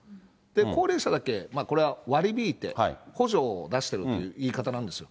高齢者だけ、これは割り引いて補助を出してるという言い方なんですよ。